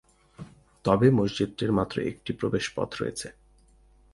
তবে মসজিদটির মাত্র একটি প্রবেশ পথ রয়েছে।